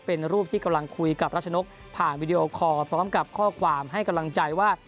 เป็นรูปที่กำลังคุยกับรัชนกผ่านวิดีโอคอร์พร้อมกับข้อความให้กำลังใจว่า